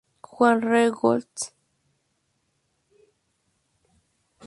Juan R. Goltz.